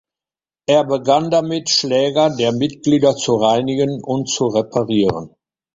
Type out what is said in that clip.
Er begann damit Schläger der Mitglieder zu reinigen und zu reparieren.